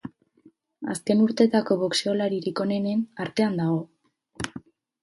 Azken urteetako boxeolaririk onenen artean dago.